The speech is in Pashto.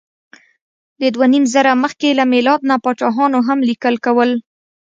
د دوهنیمزره مخکې له میلاد نه پاچاهانو هم لیکل کول.